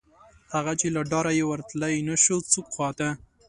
هغه، چې له ډاره یې ورتلی نشو څوک خواته